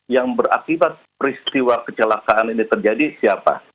yang berakibat peristiwa kecelakaan ini terjadi siapa